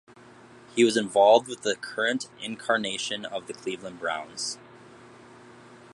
He was involved with the current incarnation of the Cleveland Browns.